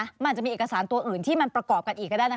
มันอาจจะมีเอกสารตัวอื่นที่มันประกอบกันอีกก็ได้นะคะ